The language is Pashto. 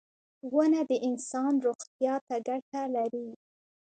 • ونه د انسان روغتیا ته ګټه لري.